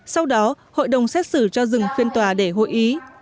sau đó hội đồng xét xử cho dừng phiên tòa để hội ý